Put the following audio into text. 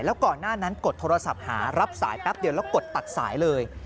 แล้วก่อนหน้านั้นกดโทรศัพท์หารับสายแป๊บเดียวแล้วกดตัดสายเลย